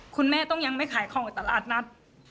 คุณแม่ต้องยังไม่ขายของตลาดนัด